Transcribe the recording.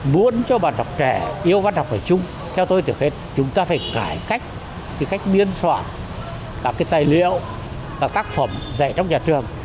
muốn cho bản học trẻ yêu văn học ở chung theo tôi thực hiện chúng ta phải cải cách cách biên soạn các cái tài liệu và các phẩm dạy trong nhà trường